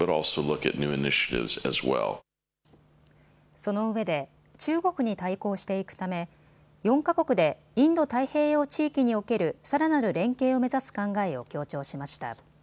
そのうえで中国に対抗していくため４か国でインド太平洋地域における、さらなる連携を目指す考えを強調しました。